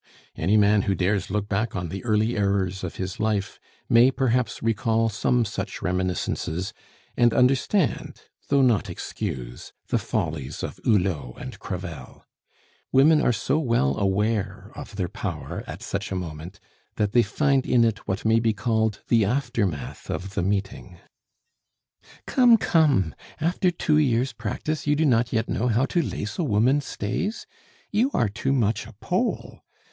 Any man who dares look back on the early errors of his life may, perhaps, recall some such reminiscences, and understand, though not excuse, the follies of Hulot and Crevel. Women are so well aware of their power at such a moment, that they find in it what may be called the aftermath of the meeting. "Come, come; after two years' practice, you do not yet know how to lace a woman's stays! You are too much a Pole!